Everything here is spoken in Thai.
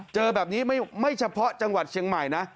เจอแบบนี้ไม่เฉพาะจังหวัดเชียงใหม่นะ